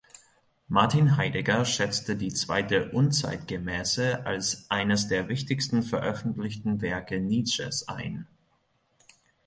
Martin Heidegger schätzte die zweite "Unzeitgemäße" als eines der wichtigsten veröffentlichten Werke Nietzsches ein.